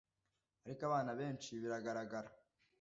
ariko abana benshi, biragaragara,